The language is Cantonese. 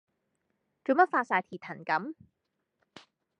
做乜發哂蹄騰咁